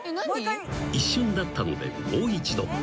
［一瞬だったのでもう一度］